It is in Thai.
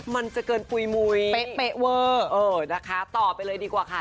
มันจะเกินปุ๋ยมุยเป๊ะเวอร์เออนะคะต่อไปเลยดีกว่าค่ะ